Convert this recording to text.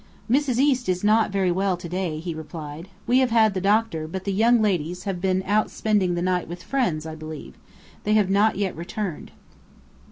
"Mrs. East is not very well to day," he replied. "We have had the doctor; but the young ladies have been out spending the night with friends, I believe. They have not yet returned."